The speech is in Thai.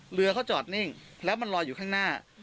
เรือเขาจอดนิ่งแล้วมันลอยอยู่ข้างหน้า